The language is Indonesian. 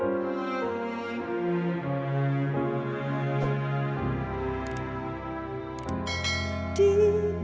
bumbur mama abis